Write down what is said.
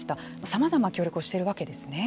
さまざま協力をしているわけですね。